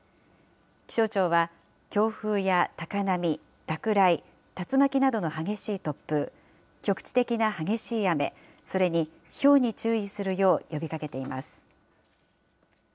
気象庁は、強風や高波、落雷、竜巻などの激しい突風、局地的な激しい雨、それにひょうに注意するよう呼びかけています。